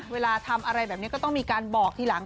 เวลาทำอะไรแบบนี้ก็ต้องมีการบอกทีหลัง